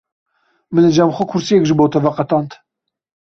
Min li cem xwe kursiyek ji bo te veqetand.